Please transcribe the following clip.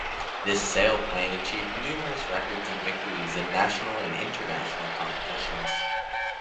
This sailplane achieved numerous records and victories in national and international competitions.